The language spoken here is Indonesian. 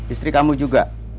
istri kamu juga